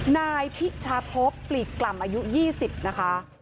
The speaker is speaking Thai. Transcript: นายพิชาพบปลีกกล่ำอายุ๒๐นะคะ